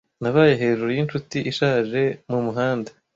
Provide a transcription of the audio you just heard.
Nabaye hejuru yinshuti ishaje mumuhanda.